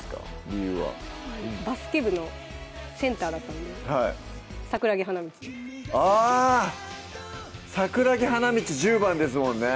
理由はバスケ部のセンターだったんで桜木花道あっ桜木花道１０番ですもんね